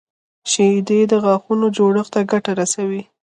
شیدې د غاښونو جوړښت ته ګټه رسوي